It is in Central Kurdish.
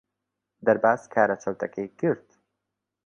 دەرباز کارە چەوتەکەی کرد.